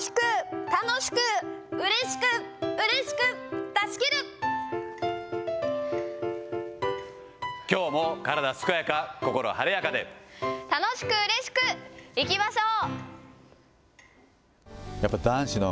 うれしく、うれしく、出しききょうも体健やか、心晴れや楽しく、うれしくいきましょう。